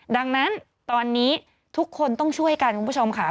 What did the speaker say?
ดังนั้นตอนนี้ทุกคนต้องช่วยกันคุณผู้ชมค่ะ